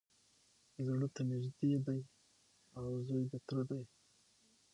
زړه ته نیژدې دی او زوی د تره دی